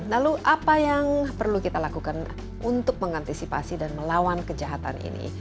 lalu apa yang perlu kita lakukan untuk mengantisipasi dan melawan kejahatan ini